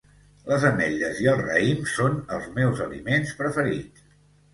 Les ametlles i el raïm són els meus aliments preferits